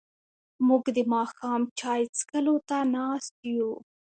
موږ د ماښام چای څښلو ته ناست یو.